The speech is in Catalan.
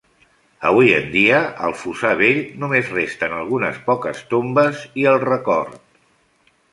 Avui en dia, al fossar vell només resten algunes poques tombes i el record.